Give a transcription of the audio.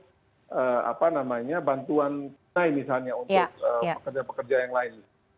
atau apa namanya bantuan kain misalnya untuk pekerja pekerja yang lain